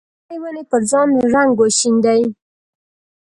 غرنې ونې پر ځان رنګ وشیندي